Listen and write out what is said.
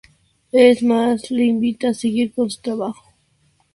Es más le invita a seguir con su trabajo.